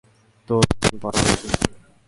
তোর প্যান্ট পরা উচিত।